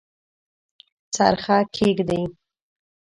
څرخه کښیږدي